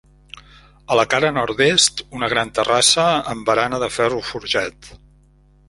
A la cara nord-est, una gran terrassa, amb barana de ferro forjat.